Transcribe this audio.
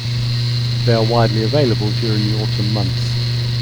They are widely available during the Autumn months.